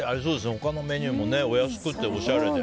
他のメニューもお安くておしゃれで。